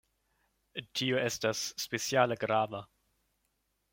Tio estas speciale grava.